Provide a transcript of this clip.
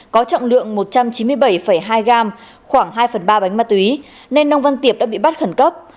có trọng lượng một trăm chín mươi bảy hai gram khoảng hai phần ba bánh ma túy nên nông văn tiệp đã bị bắt khẩn cấp